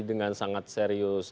dengan sangat serius